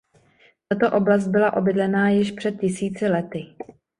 Tato oblast byla obydlená již před tisíci lety.